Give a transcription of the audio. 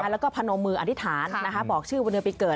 แล้วก็พนมมืออธิษฐานบอกชื่อวันเดือนปีเกิด